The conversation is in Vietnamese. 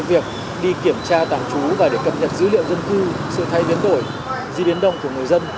việc đi kiểm tra tạm trú và để cập nhật dữ liệu dân cư sự thay biến đổi di biến động của người dân